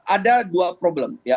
ada dua problem ya